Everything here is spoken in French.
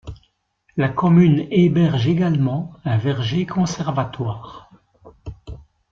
La commune héberge également un verger conservatoire.